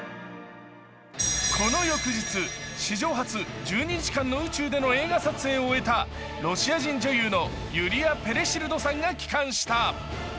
この翌日、史上初１２日間の宇宙での映画撮影を終えたロシア人女優のユリア・ペレシルドさんが帰還した。